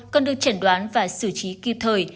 còn được chẳng đoán và xử trí kịp thời